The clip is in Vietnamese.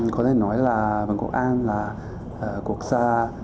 có thể nói là vương quốc anh là quốc gia